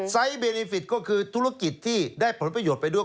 เบนิฟิตก็คือธุรกิจที่ได้ผลประโยชน์ไปด้วย